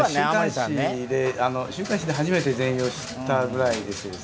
週刊誌で初めて全容を知ったぐらいでして。